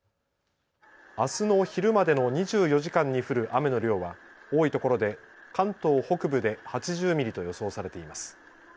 あすの昼までの２４時間に降る雨の量は多いところで関東北部で８０ミリと予想されています。